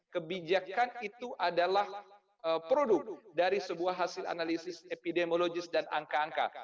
kebijakan itu adalah produk dari sebuah hasil analisis epidemiologis dan angka angka